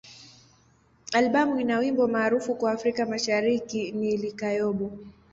Albamu ina wimbo maarufu kwa Afrika Mashariki ni "Likayabo.